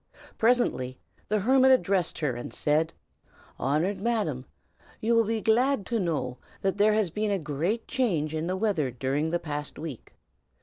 Presently the hermit addressed her, and said: "Honored Madam, you will be glad to know that there has been a great change in the weather during the past week.